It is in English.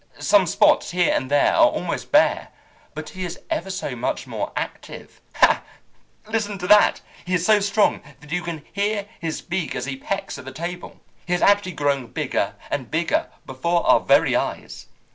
Some spots here and there are almost bare, but he is ever so much more active. Ha! Listen to that! He is so strong that you can hear his beak as he pecks at the table. He is actually growing bigger and bigger before our very eyes!